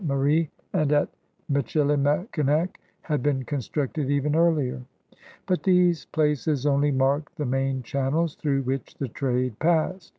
Marie and at THE COUREURS DE BOIS 159 MJchilimackmac had been constructed even earlier. But these places only marked the main channels through which the trade passed.